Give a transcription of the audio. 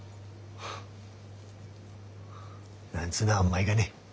なんつうのは甘えがね。